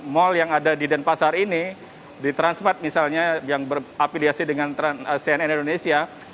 mall yang ada di denpasar ini di transmat misalnya yang berapiliasi dengan cnn indonesia